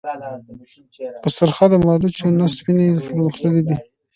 په سرخه د مالوچو نه سپڼسي پرغښتلي كېږي۔